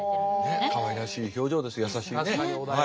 かわいらしい表情です優しいね。